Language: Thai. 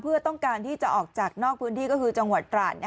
เพื่อต้องการที่จะออกจากนอกพื้นที่ก็คือจังหวัดตราด